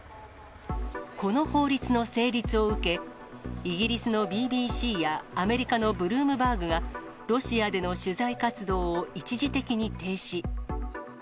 この法律の成立を受け、イギリスのＢＢＣやアメリカのブルームバーグが、ロシアでの取材活動を一時的に停止。